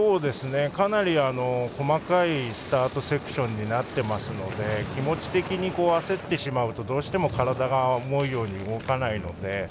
かなり細かいスタートセクションになっていますので気持ち的に焦ってしまうとどうしても体が思うように動かないので。